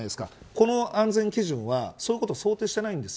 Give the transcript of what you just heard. この安全基準は、そういうことを想定しないんです。